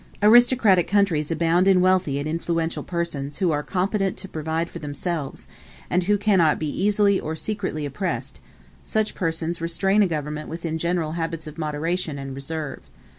Aristocratic countries abound in wealthy and influential persons who are competent to provide for themselves, and who cannot be easily or secretly oppressed: such persons restrain a government within general habits of moderation and reserve.